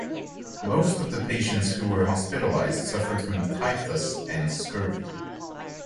Most of the patients who were hospitalized suffered from typhus and scurvy.